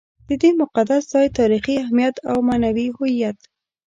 د دې مقدس ځای تاریخي اهمیت او معنوي هویت.